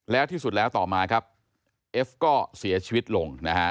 แล้วที่สุดแล้วต่อมาครับเอฟก็เสียชีวิตลงนะฮะ